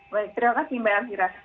baik terima kasih mbak elvira